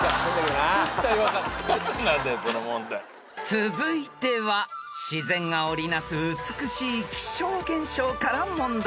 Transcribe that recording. ［続いては自然が織り成す美しい気象現象から問題］